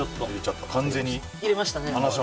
入れましたね。